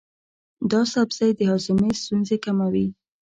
دا سبزی د هاضمې ستونزې کموي.